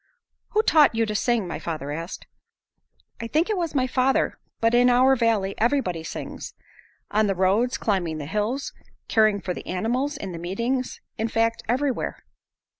"Who taught you to sing?" my father asked. "I think it was my father. But in our valley, everybody sings. On the roads, climbing the hills, caring for the animals, in the meetings; in fact, everywhere."